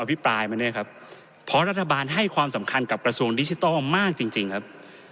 พิปรายมาเนี่ยครับเพราะรัฐบาลให้ความสำคัญกับกระทรวงดิจิทัลมากจริงจริงครับ